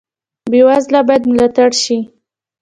بې وزله باید ملاتړ شي